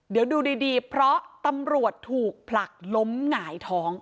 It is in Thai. เดี๋ยวดูดีเพราะตำรวจถูกผลักล้มหงายท้อง